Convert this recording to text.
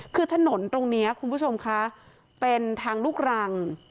คือถนนตรงนี้คุณผู้ชมคะเป็นทางลูกรัง